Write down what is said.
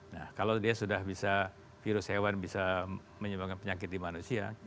nah kalau dia sudah bisa virus hewan bisa menyebabkan penyakit di manusia